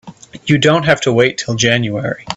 You don't have to wait till January.